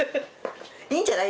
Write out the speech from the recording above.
いいんじゃない？